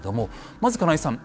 まず金井さん